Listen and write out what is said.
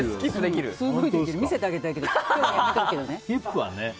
見せてあげたいけど今日はやめとくけどね。